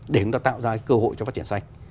để chúng ta tạo ra cơ hội cho phát triển xanh